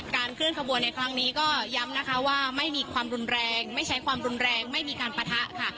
เคลื่อนขบวนในครั้งนี้ก็ย้ำนะคะว่าไม่มีความรุนแรงไม่ใช้ความรุนแรงไม่มีการปะทะค่ะ